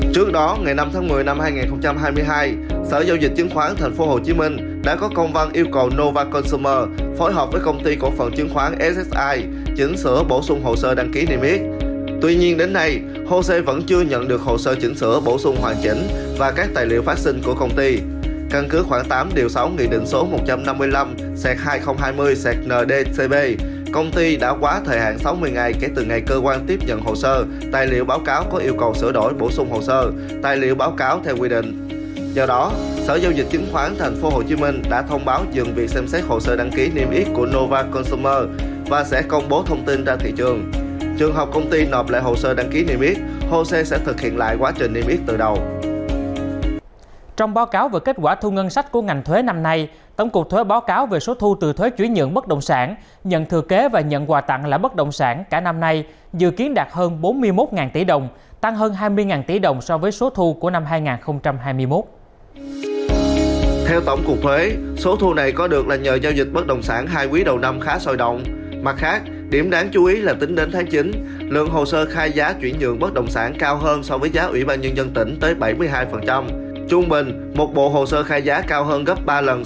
trước đó ngày năm tháng một mươi năm hai nghìn hai mươi hai sở giao dịch chứng khoán tp hcm đã có công văn yêu cầu nova consumer phối hợp với công ty cổ phần chứng khoán ssi chỉnh sửa bổ sung hồ sơ đăng ký niêm yếp